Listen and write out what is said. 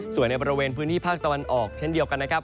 ส่วนในบริเวณพื้นที่ภาคตะวันออกเช่นเดียวกันนะครับ